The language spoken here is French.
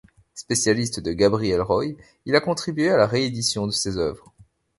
Spécialiste de Gabrielle Roy, il a contribué à la réédition de ses œuvres.